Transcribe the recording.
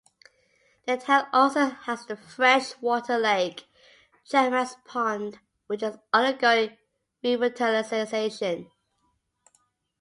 The town also has the fresh water lake Chapman's Pond which is undergoing revitalization.